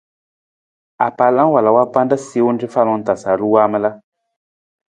Apaala wala wa panda siiwung cafalung ta sa a har waamala.